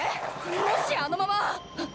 もしあのままハッ！？